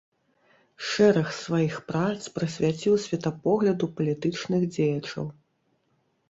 Шэраг сваіх прац прысвяціў светапогляду палітычных дзеячаў.